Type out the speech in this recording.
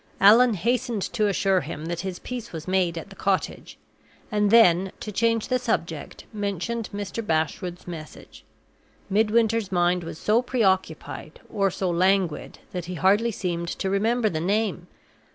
Allan hastened to assure him that his peace was made at the cottage; and then, to change the subject, mentioned Mr. Bashwood's message. Midwinter's mind was so preoccupied or so languid that he hardly seemed to remember the name.